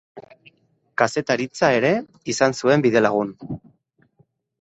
Kazetaritza ere izan zuen bidelagun.